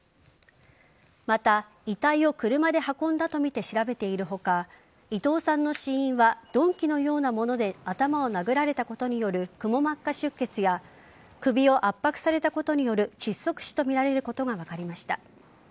また、遺体を車で運んだとみて調べている他伊藤さんの死因は鈍器のようなもので頭を殴られたことによるくも膜下出血や首を圧迫されたことによる窒息死とみられることが分かりました。